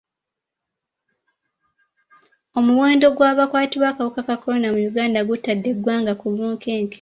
Omuwendo gw'abakwatibwa akawuka ka kolona mu Uganda gutadde eggwanga ku bunkenke.